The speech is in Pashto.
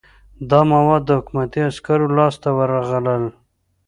دا مواد د حکومتي عسکرو لاس ته ورغلل.